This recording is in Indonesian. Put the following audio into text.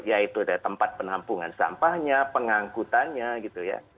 ya itu tempat penampungan sampahnya pengangkutannya gitu ya